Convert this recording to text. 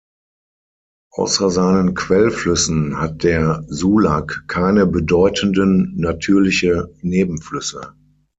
Außer seinen Quellflüssen hat der Sulak keine bedeutenden natürliche Nebenflüsse.